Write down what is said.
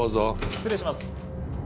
失礼します。